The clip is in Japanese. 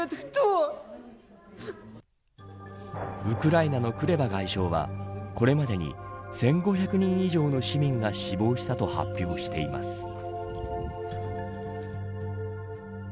ウクライナのクレバ外相はこれまでに１５００人以上の市民が死亡したと発表しています。